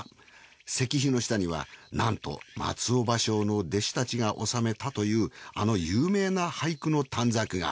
石碑の下にはなんと松尾芭蕉の弟子たちが納めたというあの有名な俳句の短冊が。